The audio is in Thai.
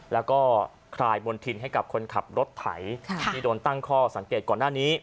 แล้วก็คลายบนทินให้กับคนขับรถไถที่โดนตั้งข้อสังเกตก่อนหน้านี้